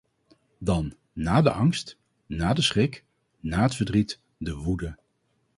Dan, na de angst, na de schrik, na het verdriet, de woede.